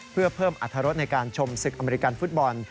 เพื่อเพิ่มอรรถรสในการชมศึกอเมริกันฟุตบอล